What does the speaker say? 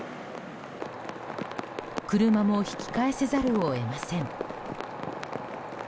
車も引き返さざるを得ません。